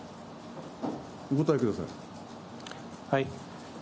お答えください。